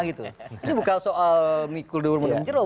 ini bukan soal mikul durul mendemjeruh